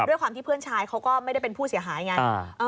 ด้วยความที่เพื่อนชายเขาก็ไม่ได้เป็นผู้เสียหายไง